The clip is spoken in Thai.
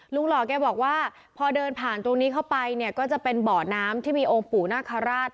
หล่อแกบอกว่าพอเดินผ่านตรงนี้เข้าไปเนี่ยก็จะเป็นบ่อน้ำที่มีองค์ปู่นาคาราช